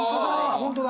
ホントだ！